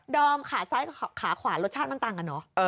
อมขาซ้ายขาขวารสชาติมันต่างกันเนอะ